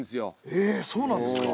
ええそうなんですか？